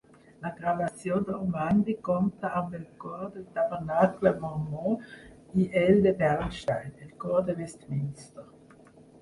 La gravació d'Ormandy compta amb el cor del Tabernacle Mormó i el de Bernstein, el cor de Westminster.